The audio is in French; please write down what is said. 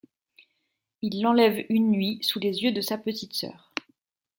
Il l'enlève une nuit sous les yeux de sa petite sœur.